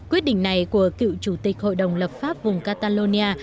quyết định này của cựu chủ tịch hội đồng lập pháp vùng catalonia